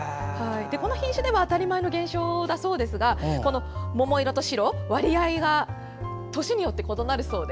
この品種では当たり前の現象だそうですがこの桃色と白、割合が年によって異なるそうで。